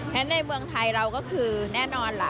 ฉะในเมืองไทยเราก็คือแน่นอนล่ะ